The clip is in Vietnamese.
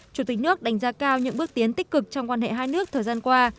chủ tịch nước đánh giá cao những bước tiến tích cực trong quan hệ hai nước thời gian qua